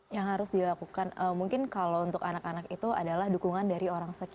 yang harus dilakukan mungkin kalau untuk anak anak itu adalah dukungan dari pemirsa di rumah ya